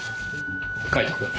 カイトくん。